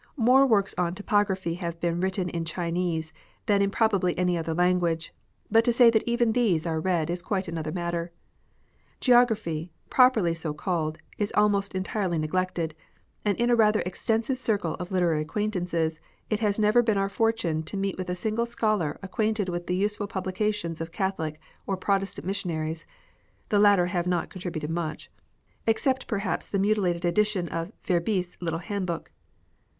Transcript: More works on topo graphy have been written in Chinese than in probably any other language, but to say that even these are read is quite another matter. Geography, properly so called, is almost entirely neglected, and in a rather extensive circle of literary acquaintances, it has never been our fortune to meet with a single scholar ac quainted with the use/ul publications of Catholic or Protestant missionaries — the latter have not contri buted much — except perhaps the mutilated edition of Verbiest's little handbook.